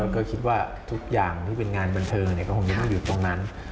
ก็คิดว่าทุกอย่างที่เป็นงานบันเทิงก็คงจะต้องอยู่ตรงนั้น